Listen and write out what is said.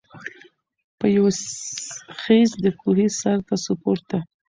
په یوه خېز د کوهي سرته سو پورته